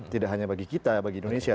tidak hanya bagi kita bagi indonesia